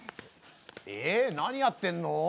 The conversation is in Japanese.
え何やってんの？